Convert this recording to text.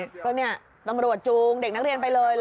ก็เนี่ยตำรวจจูงเด็กนักเรียนไปเลย